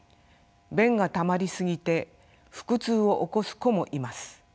便がたまり過ぎて腹痛を起こす子もいます。